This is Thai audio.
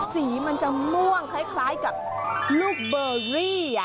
สีมันจะม่วงคล้ายกับลูกเบอรี่